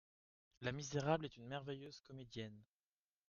La misérable est une merveilleuse comédienne.